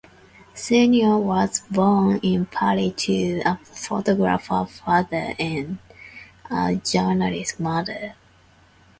Seigner was born in Paris to a photographer father and a journalist mother.